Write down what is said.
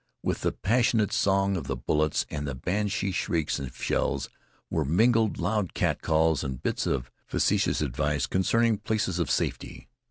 With the passionate song of the bullets and the banshee shrieks of shells were mingled loud catcalls and bits of facetious advice concerning places of safety.